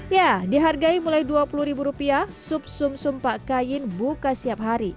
ya dihargai mulai dua puluh ribu rupiah sup sum sum pak kain buka setiap hari